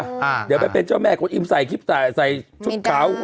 เดี๋ยวไปเป็นเจ้าแม่คนอิ่มใส่ชุดขาว